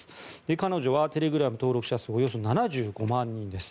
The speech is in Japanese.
彼女はテレグラム登録者数がおよそ７５万人です。